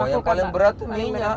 wah yang paling berat tuh minyak